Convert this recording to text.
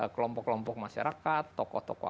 kelompok kelompok masyarakat tokoh tokoh